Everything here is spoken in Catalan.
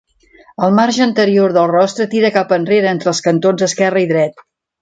El marge anterior del rostre tira cap enrere entre els cantons esquerre i dret.